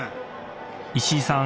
石井さん